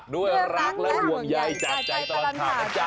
ด้วยรักและห่วงใยจากใจตลอดข่าวนะจ๊ะ